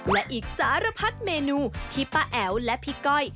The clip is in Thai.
และอีกสารพัดเมนูที่ป้าแอ๋วและพี่ก้อย